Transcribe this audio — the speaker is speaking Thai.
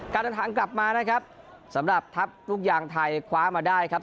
เดินทางกลับมานะครับสำหรับทัพลูกยางไทยคว้ามาได้ครับ